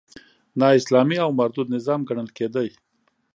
نا اسلامي او مردود نظام ګڼل کېده.